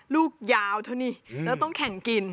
ลูกยาวเท่านี้แล้วต้องแข่งกิน